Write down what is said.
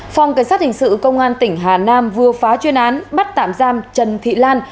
phòng cảnh sát hình sự công an tỉnh hà nam vừa phá chuyên án bắt tạm giam trần thị lan